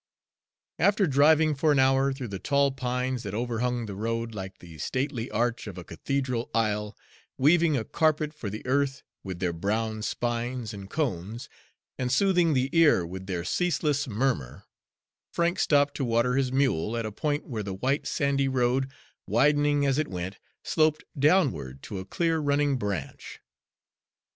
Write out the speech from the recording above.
After driving for an hour through the tall pines that overhung the road like the stately arch of a cathedral aisle, weaving a carpet for the earth with their brown spines and cones, and soothing the ear with their ceaseless murmur, Frank stopped to water his mule at a point where the white, sandy road, widening as it went, sloped downward to a clear running branch.